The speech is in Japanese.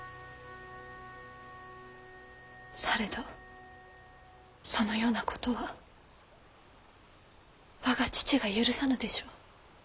されどそのようなことは我が父が許さぬでしょう。